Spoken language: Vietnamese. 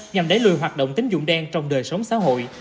nhằm đẩy lùi hoạt động tính dụng đen trong đời sống xã hội